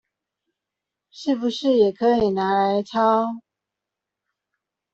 是不是也可以拿來抄